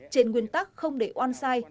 trên nguyên tắc không để oan sai